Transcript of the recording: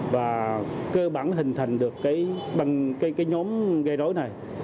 và cơ bản hình thành được nhóm gây rối này